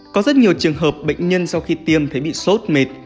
có rất nhiều trường hợp bệnh nhân sau khi tiêm thấy bị sốt mệt